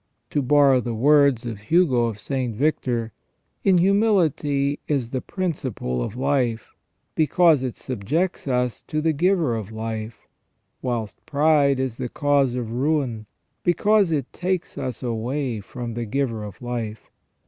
To borrow the words of Hugo of St. Victor : In humility is the principle of life, because it subjects us to the Giver of Life ; whilst pride is the cause of ruin, because it takes us away from the Giver of Life.